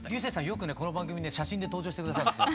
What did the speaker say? よくねこの番組ね写真で登場して下さるんですよ。